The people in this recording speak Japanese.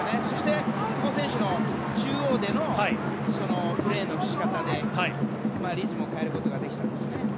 そして、久保選手の中央でのプレーの仕方でリズムを変えることができたんですね。